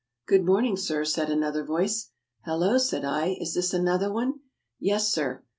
"Good morning, sir," said another voice. "Hallo," said I, "is this another one?" "Yes, sir."